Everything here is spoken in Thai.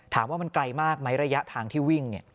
ว่ามันไกลมากไหมระยะทางที่วิ่ง